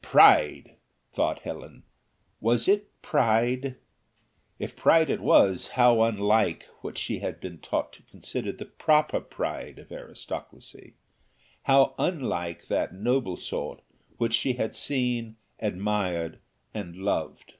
"Pride!" thought Helen, "was it pride?" If pride it was, how unlike what she had been taught to consider the proper pride of aristocracy; how unlike that noble sort which she had seen, admired, and loved!